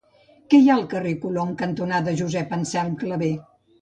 Què hi ha al carrer Colom cantonada Josep Anselm Clavé?